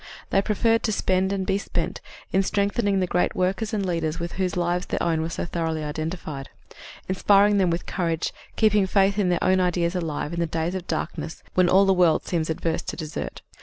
They preferred to spend and be spent in strengthening the great workers and leaders with whose lives their own were so thoroughly identified "Inspiring them with courage, keeping faith in their own ideas alive, in days of darkness 'When all the world seems adverse to desert.'"